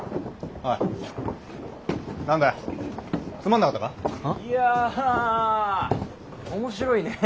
あ？いや面白いね。